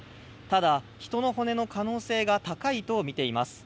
ただ、人の骨の可能性が高いとみています。